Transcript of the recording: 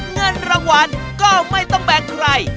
เงินรางวัลก็ไม่ต้องแบ่งใคร